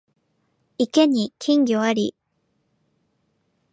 池に金魚あり